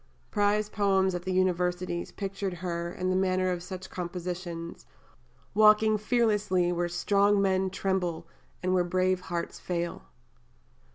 Prize poems at the universities pictured her, in the manner of such compositions, walking fearlessly Where strong men tremble and where brave hearts fail.